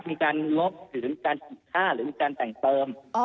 มีการลบหรือการฉีดค่าหรือมีการแต่งเติม